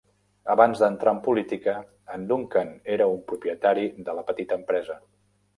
Abans d'entrar en política, en Duncan era un propietari de la petita empresa.